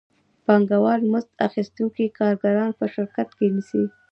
پانګوال مزد اخیستونکي کارګران په شرکت کې نیسي